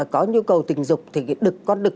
có nhu cầu tình dục thì đực con đực